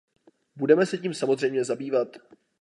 Budeme se tím samozřejmě zabývat.